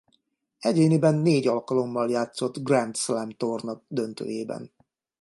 Egyéniben négy alkalommal játszott Grand Slam-torna döntőjében.